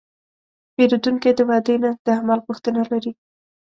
پیرودونکی د وعدې نه، د عمل غوښتنه لري.